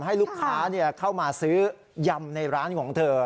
ให้ลูกค้าเข้ามาซื้อยำในร้านของเธอ